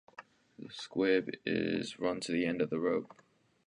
The squib is run to the end of the rope.